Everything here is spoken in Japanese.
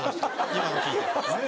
今の聞いて。